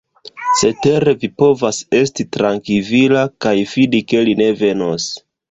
Cetere vi povas esti trankvila, kaj fidi ke li ne venos.